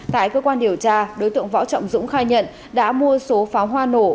tại cơ quan điều tra đối tượng võ trọng dũng khai nhận đã mua số pháo hoa nổ